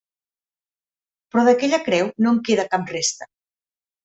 Però d'aquella creu no en queda cap resta.